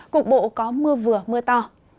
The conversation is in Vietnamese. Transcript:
cục bộ có mưa vừa mưa to